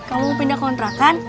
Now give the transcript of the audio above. kamu pindah kontrakan